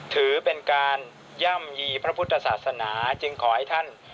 ถือเป็นการย่ำยีพระพุทธศาสนาจึงขอให้ท่าน